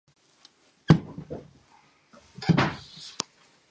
I’ll not stay here!